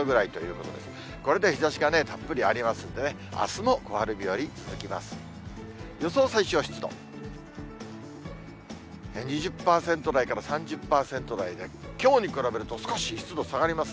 これで日ざしがたっぷりありますんでね、あすも小春日和、続きます。